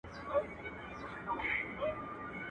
اول کوه احتياط، اوستری مه کوه پسات.